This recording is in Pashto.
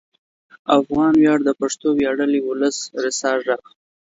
افغان ویاړ د پښتون ویاړلي ولس رسا غږ